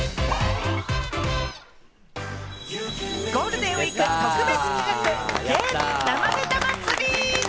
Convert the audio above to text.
ゴールデンウイーク特別企画、芸人生ネタ祭！